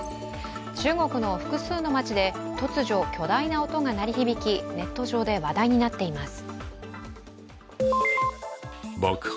中国の複数の街で突如、巨大な音が鳴り響き、ネット上で話題になっています。